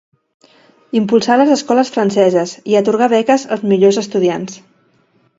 Impulsà les escoles franceses, i atorgà beques als millors estudiants.